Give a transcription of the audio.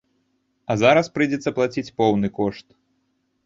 А зараз прыйдзецца плаціць поўны кошт.